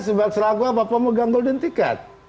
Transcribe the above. sebab selaku apa pemegang golden ticket